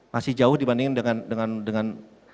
masih jauh dibandingkan dengan